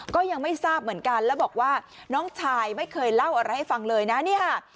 ก็ยังไม่ทราบเหมือนกันแล้วบอกว่าน้องชายไม่เคยเล่าอะไรให้ฟังเลยนะเนี่ยค่ะ